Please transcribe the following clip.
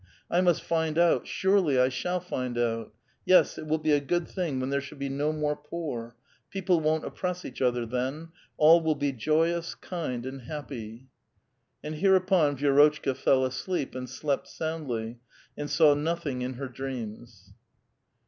I must find out, surely I shall find out! Yes ; it will be a good thing when there shall be no more poor ; people won't oppress each other then ; all will be joy ous, kind, and happy !" And hereupon Vi^rotchka fell asleep, and slept soundly, and saw nothing in her dreams.